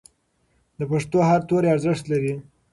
د پښتو هر توری ارزښت لري.